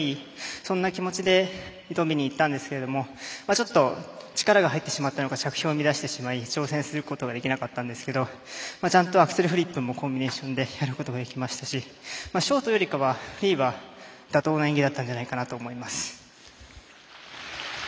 そんな気持ちで挑みにいったんですけどちょっと力が入ってしまったのか着氷を乱してしまい挑戦することができなかったんですけどちゃんとアクセルフリップもコンビネーションでやることができましたしショートよりかは妥当な演技だったんじゃないかと思います。